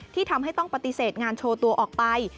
ที่ทำให้ต้องปฏิเสธงานโชว์ตัวออกไป